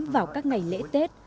vào các ngày lễ tết